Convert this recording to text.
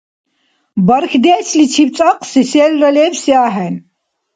Бархьдешличиб цӀакьси селра лебси ахӀен.